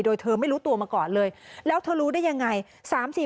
โดยเธอไม่รู้ตัวมาก่อนเลยแล้วเธอรู้ได้ยังไง